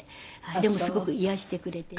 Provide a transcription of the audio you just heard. でもすごく癒やしてくれてね。